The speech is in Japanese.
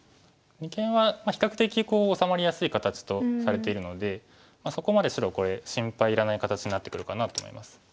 二間は比較的治まりやすい形とされているのでそこまで白これ心配いらない形になってくるかなと思います。